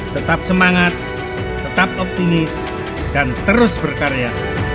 tetap semangat tetap optimis dan terus berkarya